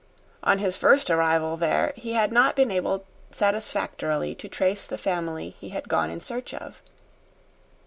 On his first arrival there, he had not been able satisfactorily to trace the family he had gone in search of.